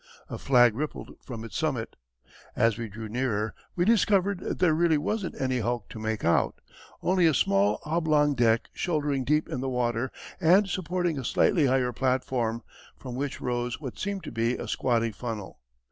A flag rippled from its summit. As we drew nearer, we discovered that there really wasn't any hulk to make out only a small oblong deck shouldering deep in the water and supporting a slightly higher platform, from which rose what seemed to be a squatty funnel.